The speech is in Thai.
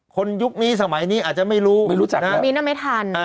คนยุคนี้สมัยนี้อาจจะไม่รู้ไม่รู้จักแล้วมีน้ำไม้ทัน